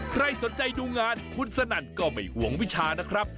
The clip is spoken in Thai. ใครสนใจดูงานคุณสนั่นก็ไม่ห่วงวิชานะครับ